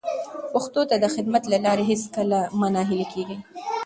پښتو ته د خدمت په لاره کې هیڅکله مه ناهیلي کېږئ.